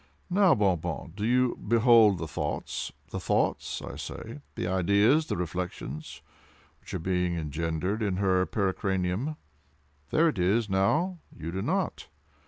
Now, Bon Bon, do you behold the thoughts—the thoughts, I say,—the ideas—the reflections—which are being engendered in her pericranium? There it is, now—you do not!